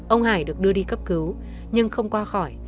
ông hải được đưa đi cấp cứu nhưng không qua khỏi